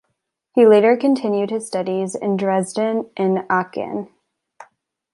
He later continued his studies in Dresden and Aachen.